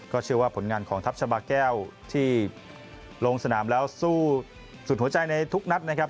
เชื่อว่าผลงานของทัพชาบาแก้วที่ลงสนามแล้วสู้สุดหัวใจในทุกนัดนะครับ